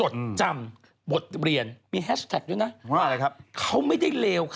ถ้ามันทำให้เธออยู่ดีมีสุข